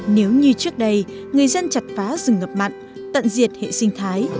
nếu như trước đây người dân chặt phá rừng ngập mặn tận diệt hệ sinh thái